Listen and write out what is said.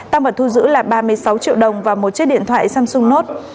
tăng vật thu giữ là ba mươi sáu triệu đồng và một chiếc điện thoại samsung nốt